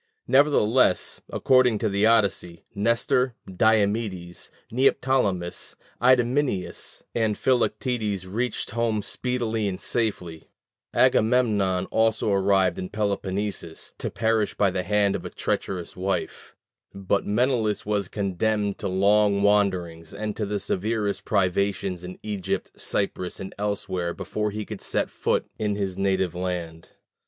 Nevertheless, according to the Odyssey, Nestor, Diomedes, Neoptolemus, Idomeneus, and Philoctetes reached home speedily and safely; Agamemnon also arrived in Peloponnesus, to perish by the hand of a treacherous wife; but Menelaus was condemned to long wanderings and to the severest privations in Egypt, Cyprus, and elsewhere before he could set foot in his native land.